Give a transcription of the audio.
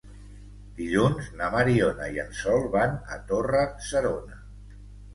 Dilluns na Mariona i en Sol van a Torre-serona.